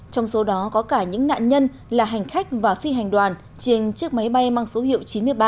trong số đó có cả những nạn nhân là hành khách và phi hành đoàn trên chiếc máy bay mang số hiệu chín mươi ba